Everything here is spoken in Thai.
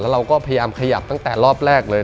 เราก็พยายามขยับตั้งแต่รอบแรกเลย